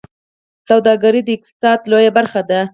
سوداګري د اقتصاد لویه برخه وه